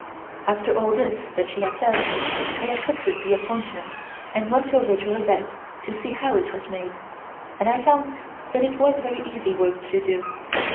After all this that she had said, I accepted the appointment and went over to her bed to see how it was made, and I found that it was very easy work to do.